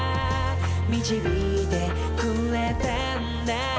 「導いてくれたんだ」